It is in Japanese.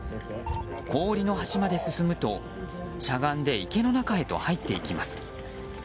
氷の端まで進むと、しゃがんで池の中へと入っていきます。